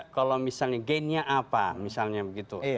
kalau misalnya gain nya apa misalnya begitu